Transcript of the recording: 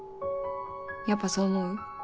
やっぱそう思う？